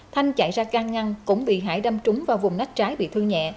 thanh chạy ra can ngăn cũng bị hải đâm trúng vào vùng nách trái bị thư nhẹ